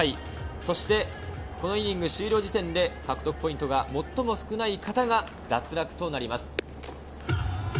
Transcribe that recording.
そして、このイニング終了時点で獲得ポイントが最も少ない方が脱落となります。